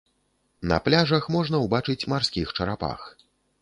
На пляжах можна ўбачыць марскіх чарапах.